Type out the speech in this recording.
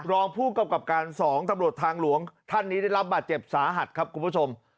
รองผู้กำกับการ๒ตำรวจทางหลวงท่านนี้ได้รับบาดเจ็บสาหัสครับคุณผู้ชม